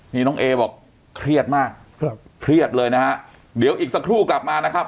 นี่น้องเอบอกเครียดมากครับเครียดเลยนะฮะเดี๋ยวอีกสักครู่กลับมานะครับ